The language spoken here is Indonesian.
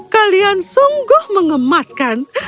kalian sungguh mengemaskan